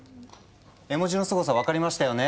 絵文字のすごさ分かりましたよね？